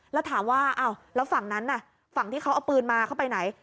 แล้วถามว่าอ้าวแล้วฝั่งนั้นน่ะฝั่งที่เขาเอาปืนมาเขาไปไหน